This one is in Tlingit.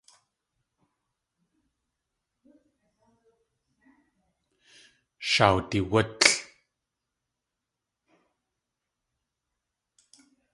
Sháa wdiwútl.